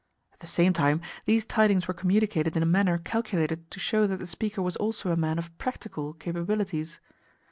At the same time, these tidings were communicated in a manner calculated to show that the speaker was also a man of PRACTICAL capabilities.